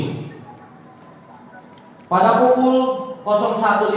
dan pralara rekonstruksi